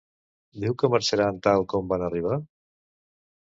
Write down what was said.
Diu que marxaran tal com van arribar?